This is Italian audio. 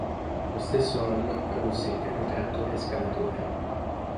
Lo stesso anno produsse il primo trattore escavatore.